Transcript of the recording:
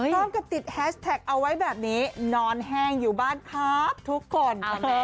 พร้อมกับติดแฮชแท็กเอาไว้แบบนี้นอนแห้งอยู่บ้านครับทุกคน